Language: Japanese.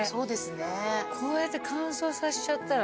こうやって乾燥させちゃったら。